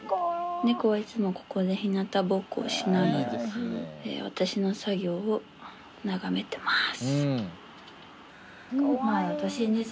猫はいつもここでひなたぼっこをしながら私の作業を眺めてます。